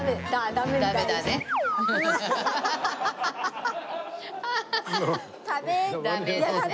ダメだね。